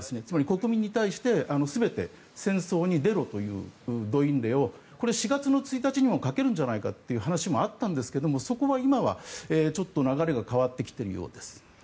つまり国民に対して全て戦争に出ろという動員令を４月１日にもかけるんじゃないかという話もあったんですがそこは今はちょっと流れが変わってきているようです。